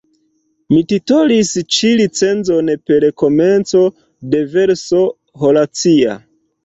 Mi titolis ĉi recenzon per komenco de verso horacia.